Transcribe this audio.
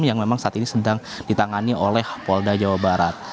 yang memang saat ini sedang ditangani oleh polda jawa barat